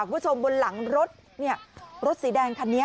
คุณผู้ชมบนหลังรถนี่รถสีแดงคันนี้